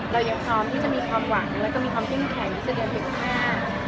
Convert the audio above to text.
เรายังพร้อมที่จะมีความหวังและมีความต้องแข่งที่จะเรียนเป็นค่า